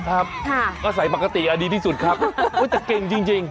ครับก็ใส่ปกติอันดีที่สุดครับก็จะเก่งจริง